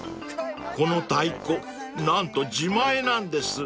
［この太鼓何と自前なんです］